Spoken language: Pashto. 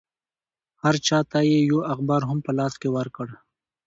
هر چا ته یې یو اخبار هم په لاس کې ورکړ.